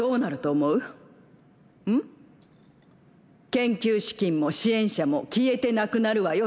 研究資金も支援者も消えてなくなるわよ